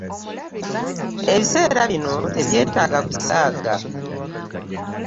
Ebiseera bino tebyetaaga kusaaga.